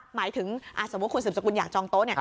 หมายถึงสมมุติคุณสืบสกุลอยากจองโต๊ะ